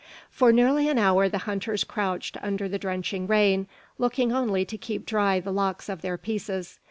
For nearly an hour the hunters crouched under the drenching rain, looking only to keep dry the locks of their pieces.